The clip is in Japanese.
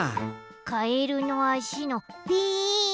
カエルのあしのぴーん！